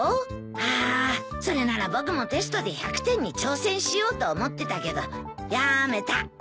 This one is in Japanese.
あそれなら僕もテストで１００点に挑戦しようと思ってたけどやめた。